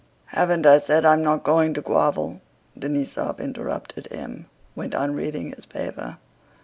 "Haven't I said I'm not going to gwovel?" Denísov interrupted him, went on reading his paper.